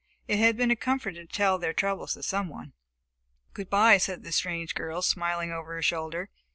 It had been a comfort to tell their troubles to someone. "Good by," said the strange girl, smiling over her shoulder.